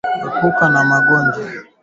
Hatua za kufuata wakati wa kupika matembele